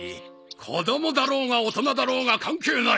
子どもだろうが大人だろうが関係ない。